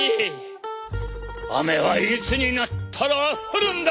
雨はいつになったら降るんだ。